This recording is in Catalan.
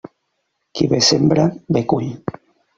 Qui bé sembra, bé cull.